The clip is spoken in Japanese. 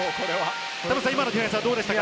今のディフェンスはどうでしたか？